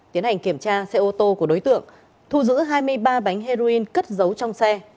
tiến hành kiểm tra xe ô tô của đối tượng thu giữ hai mươi ba bánh heroin cất dấu trong xe